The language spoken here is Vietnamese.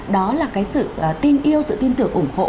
đó là cái sự tin yêu sự tin tưởng ủng hộ